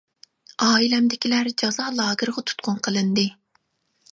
ئائىلەمدىكىلەر جازا لاگېرىغا تۇتقۇن قىلىندى.